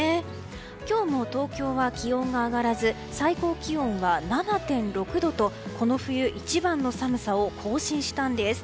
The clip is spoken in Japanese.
今日も東京は気温が上がらず最高気温は７．６度とこの冬一番の寒さを更新したんです。